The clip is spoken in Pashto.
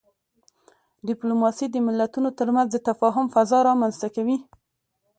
ډيپلوماسي د ملتونو ترمنځ د تفاهم فضا رامنځته کوي.